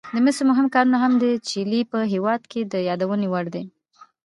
د مسو مهم کانونه هم د چیلي په هېواد کې د یادونې وړ دي.